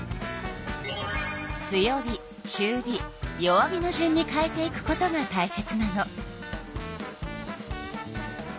強火中火弱火の順に変えていくことがたいせつなの。